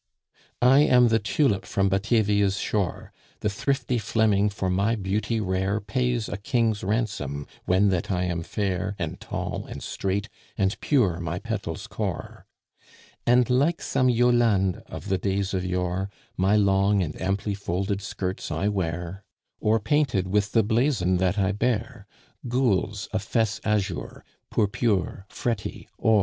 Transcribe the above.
I am the Tulip from Batavia's shore; The thrifty Fleming for my beauty rare Pays a king's ransom, when that I am fair, And tall, and straight, and pure my petal's core. And, like some Yolande of the days of yore, My long and amply folded skirts I wear, O'er painted with the blazon that I bear Gules, a fess azure; purpure, fretty, or.